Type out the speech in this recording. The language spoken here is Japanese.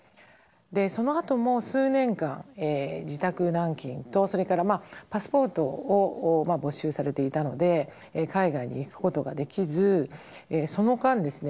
そのあとも数年間自宅軟禁とそれからパスポートを没収されていたので海外に行くことができずその間ですね